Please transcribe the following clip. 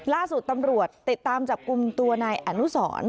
ล่าสุดตำรวจติดตามจับกลุ่มตัวนายอนุสร